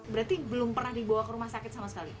berarti belum pernah dibawa ke rumah sakit sama sekali